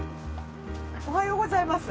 おはようございます。